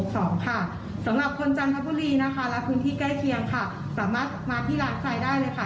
สำหรับคนจันทบุรีนะคะและพื้นที่ใกล้เคียงค่ะสามารถมาที่ร้านใครได้เลยค่ะ